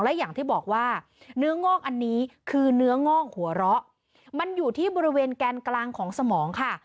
และอย่างที่บอกว่าเนื้องอกอันนี้คือเนื้องอกหัวเราะมันอยู่ที่บริเวณแกนกลางของสมองค่ะ